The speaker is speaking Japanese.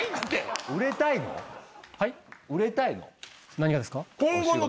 何がですか？